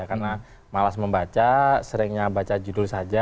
karena malas membaca seringnya baca judul saja